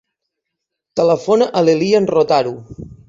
Telefona a l'Elian Rotaru.